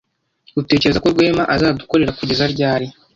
Utekereza ko Rwema azadukorera kugeza ryari